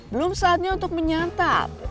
belum saatnya untuk menyantap